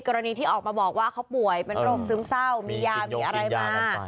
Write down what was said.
กรณีที่ออกมาบอกว่าเขาป่วยเป็นโรคซึมเศร้ามียามีอะไรมา